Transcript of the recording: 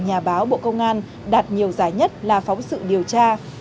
nhà báo bộ công an đạt nhiều giải nhất là phóng sự điều tra